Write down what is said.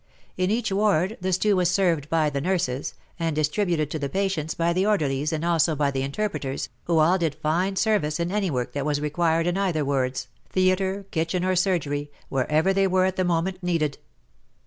In each ward the stew was served by the nurses, and distributed to the patients by the orderlies and also by the interpreters, who all did fine service in any work that was required in either wards, theatre, kitchen or surgery, wherever they were at the moment needed.